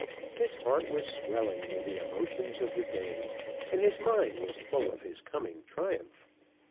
His heart was swelling with the emotions of the day, and his mind was full of his coming triumph.